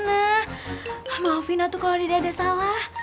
ma maufin aku kalau tidak ada salah